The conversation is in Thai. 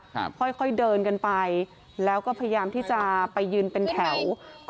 ค่อยค่อยเดินกันไปแล้วก็พยายามที่จะไปยืนเป็นแถว